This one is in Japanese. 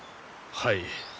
はい。